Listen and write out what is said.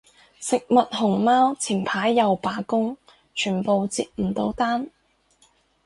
食物熊貓前排又罷工，全部接唔到單